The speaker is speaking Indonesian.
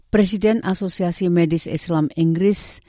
presiden asosiasi medis islam inggris